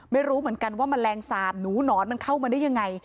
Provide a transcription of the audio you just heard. ไม่รู้เหมือนกันว่าแมลงสาบหนูหนอนมันเข้ามาได้ยังไง